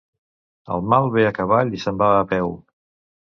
El mal ve a cavall i se'n va a peu.